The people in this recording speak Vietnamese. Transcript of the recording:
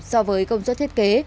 so với công suất thiết kế